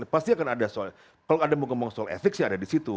pasti akan ada soal kalau ada mau ngomong soal efek sih ada di situ